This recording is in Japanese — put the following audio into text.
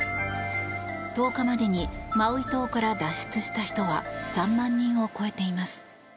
１０日までにマウイ島から脱出した人は３万人を超えています。